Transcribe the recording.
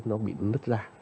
nó bị nứt ra